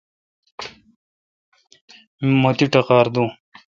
مہ تی ٹقار دوں۔